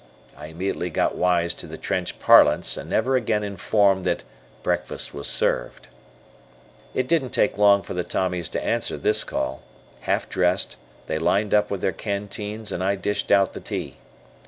I immediately got wise to the trench parlance, and never again informed that "Breakfast was served." It didn't take long for the Tommies to answer this call. Half dressed, they lined up with their canteens and I dished out the tea.